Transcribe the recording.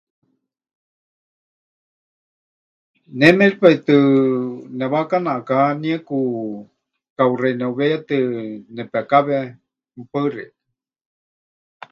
Ne méripai tɨ newaakana ʼakahanieku kauxai neʼuweiyatɨ nepekáwe. Paɨ xeikɨ́a.